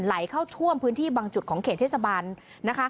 ไหลเข้าท่วมพื้นที่บางจุดของเขตเทศบาลนะคะ